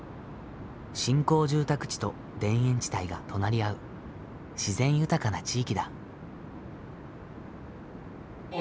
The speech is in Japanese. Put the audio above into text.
新興住宅地と田園地帯が隣り合う自然豊かな地域だ。